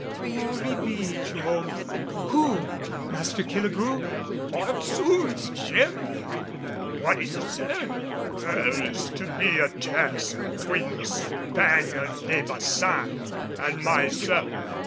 "Glory be, Job! Who, Master Killigrew?" "Odds 'oonds, Jem! What is it, sir?" "There is to be a test between the Spaniard, De Baçan and myself."